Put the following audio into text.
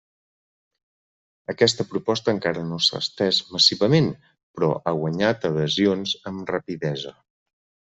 Aquesta proposta encara no s'ha estès massivament però ha guanyat adhesions amb rapidesa.